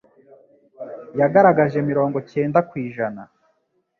yagaragaje mirongo ikenda kw'ijana